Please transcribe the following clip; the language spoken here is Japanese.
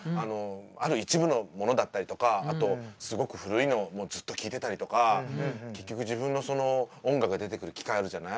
ある一部のものだったりとかあとすごく古いのをずっと聴いてたりとか結局自分の音楽出てくる機械あるじゃない。